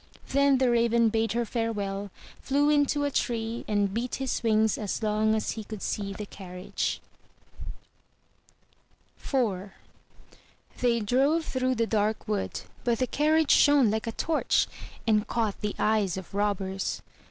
Then the Raven bade her farewell, flew into a tree, and beat his wings as long as he could see the carriage. IV They drove through the dark wood; but the carriage shone like a torch, and caught the eyes of robbers.